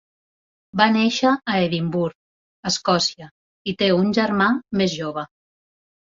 Va néixer a Edimburg, Escòcia, i té un germà més jove.